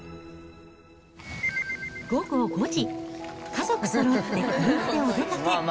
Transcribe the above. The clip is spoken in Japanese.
午後５時、家族そろって車でお出かけ。